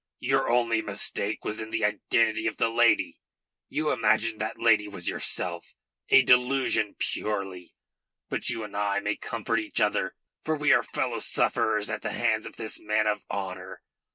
"Your only mistake was in the identity of the lady. You imagined that the lady was yourself. A delusion purely. But you and I may comfort each other, for we are fellow sufferers at the hands of this man of honour.